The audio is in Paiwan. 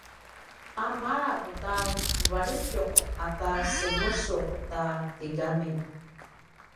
a malap ta valjitjuq ata semusuq ta tigami